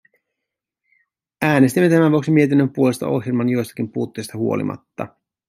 Äänestimme tämän vuoksi mietinnön puolesta ohjelman joistakin puutteista huolimatta.